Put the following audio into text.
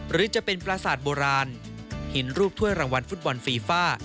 หรือจะเป็นปราสาทโบราณหินรูปถ้วยรางวัลฟุตบอลฟีฟ่า